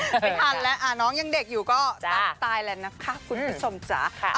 ไม่ทันแล้วน้องยังเด็กอยู่ก็ตามตายแล้วนะคะคุณผู้ชมจ๊ะ